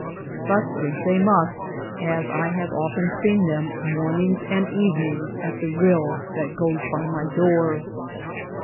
But drink they must, as I have often seen them morn ings and evenings at the rill that goes by my door.